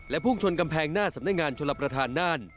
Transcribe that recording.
พุ่งชนกำแพงหน้าสำนักงานชลประธานน่าน